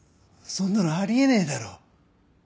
そんなのありえねえだろ。